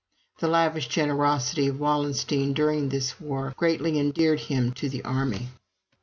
The lavish generosity of Wallenstein during this war greatly endeared him to the army.